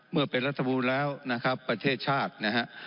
เมื่อเป็นรัฐบูรณ์แล้วนะครับประเทศชาตินะฮะ